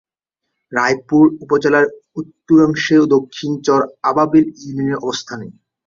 রায়পুর উপজেলার উত্তরাংশে দক্ষিণ চর আবাবিল ইউনিয়নের অবস্থান।